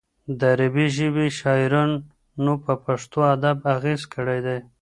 د عربي ژبې شاعرانو په پښتو ادب اغېز کړی دی.